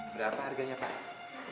berapa harganya pak